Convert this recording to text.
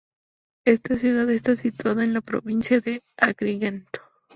Esta ciudad está situada en la provincia de Agrigento.